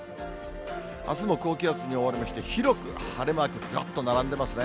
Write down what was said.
あすも高気圧に覆われまして、広く晴れマークずらっと並んでますね。